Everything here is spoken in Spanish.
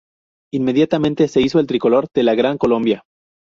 Inmediatamente, se izó el tricolor de la Gran Colombia.